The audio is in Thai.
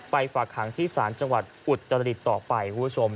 ฝากหางที่ศาลจังหวัดอุตรดิษฐ์ต่อไปคุณผู้ชม